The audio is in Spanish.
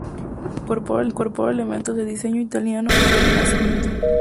Incorpora elementos de diseño italiano del Renacimiento.